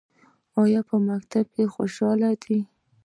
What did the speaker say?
ایا په مکتب کې خوشحاله دي؟